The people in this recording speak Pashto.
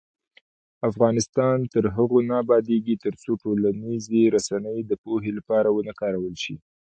افغانستان تر هغو نه ابادیږي، ترڅو ټولنیزې رسنۍ د پوهې لپاره ونه کارول شي.